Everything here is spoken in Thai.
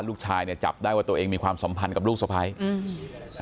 ลูกชายเนี้ยจับได้ว่าตัวเองมีความสัมพันธ์กับลูกสะพ้ายอืม